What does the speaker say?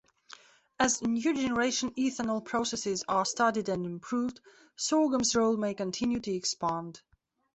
As new-generation ethanol processes are studied and improved, sorghum's role may continue to expand.